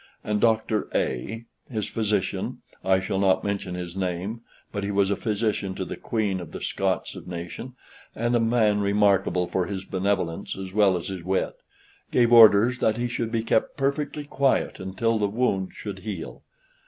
And Doctor A ,* his physician (I shall not mention his name, but he was physician to the Queen, of the Scots nation, and a man remarkable for his benevolence as well as his wit), gave orders that he should be kept perfectly quiet until the wound should heal.